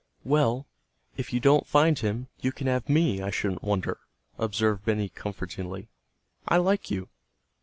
"Well, if you don't find him, you can have me, I shouldn't wonder," observed Benny comfortingly. "I like you."